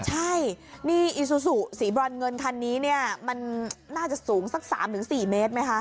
ใช่นี่อีซูซูสีบรอนเงินคันนี้เนี่ยมันน่าจะสูงสัก๓๔เมตรไหมคะ